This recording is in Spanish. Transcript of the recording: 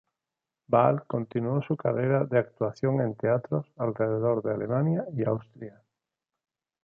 Vaal continuó su carrera de actuación en teatros alrededor de Alemania y Austria.